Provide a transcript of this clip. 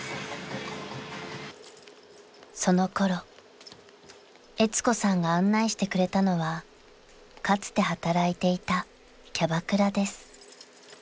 ［そのころえつ子さんが案内してくれたのはかつて働いていたキャバクラです］